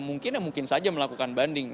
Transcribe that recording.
mungkin ya mungkin saja melakukan banding